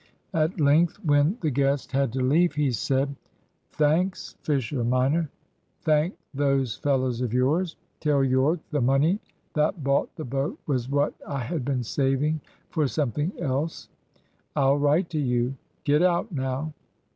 At length, when the guest had to leave, he said "Thanks, Fisher minor. Thank those fellows of yours. Tell Yorke the money that bought the boat was what I had been saving for something else. I'll write to you. Get out, now."